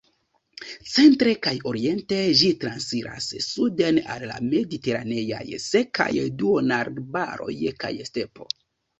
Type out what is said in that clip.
Centre kaj oriente ĝi transiras suden al la mediteraneaj sekaj duonarbaroj kaj stepo.